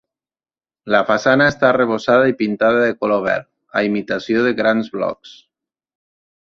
La façana està arrebossada i pintada de color verd, a imitació de grans blocs.